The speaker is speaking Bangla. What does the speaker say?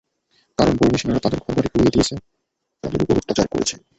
কারণ, বর্মি সেনারা তাদের ঘরবাড়ি পুড়িয়ে দিয়েছে, তাদের ওপর অত্যাচার করেছে।